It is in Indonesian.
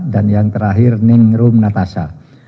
dan yang terakhir ningrum natasa